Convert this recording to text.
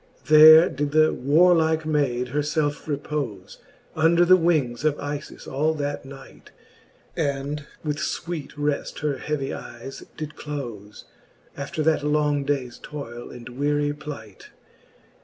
There did the warlike maide her felfe repole> Under the wings of IJis all that night, And with fweete reft her heavy eyes did clofe After that long daies toile and weary plight.